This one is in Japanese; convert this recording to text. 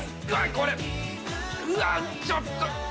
これうわちょっと。